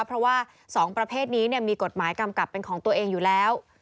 เพราะว่า๒ประเภทนี้มีกฎหมายกำกับเป็นของตัวเองอยู่แล้ว